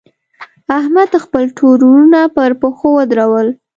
احمد؛ خپل ټول وروڼه پر پښو ودرول.